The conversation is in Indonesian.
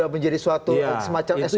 menjadi suatu semacam sop